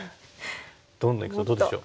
どんどんいくとどうでしょう？